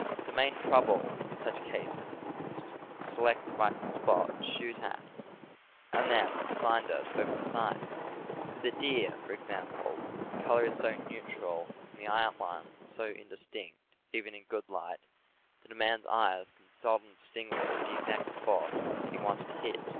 The main trouble, in such cases, is to select the right spot to shoot at, and then to find it over the sights. With a deer, for example, the color is so neutral and the outlines are so indistinct, even in good light, that a man's eyes can seldom distinguish the exact spot that he wants to hit.